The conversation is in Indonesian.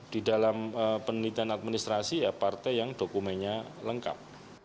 di dalam penelitian administrasi ya partai yang dokumennya lengkap